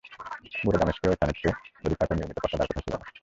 গোটা দামেশকে এই স্থানের চেয়ে অধিক পাথর নির্মিত প্রাসাদ আর কোথাও ছিল না।